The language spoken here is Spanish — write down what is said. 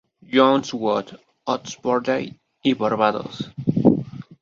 John's Wood, Oxfordshire y Barbados.